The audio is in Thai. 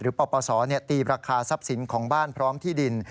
หรือเป่าป่าวสรตีรักษาทรัพย์สินของบ้านพร้อมที่ดิน